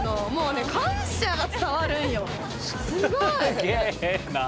すげえな。